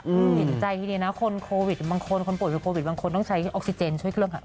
เห็นใจทีเดียวนะคนโควิดบางคนคนป่วยเป็นโควิดบางคนต้องใช้ออกซิเจนช่วยเครื่อง